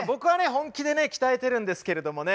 本気でね鍛えてるんですけれどもね。